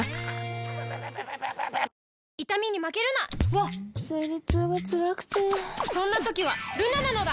わっ生理痛がつらくてそんな時はルナなのだ！